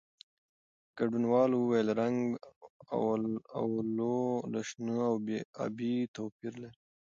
ګډونوالو وویل، رنګ "اولو" له شنه او ابي توپیر لري.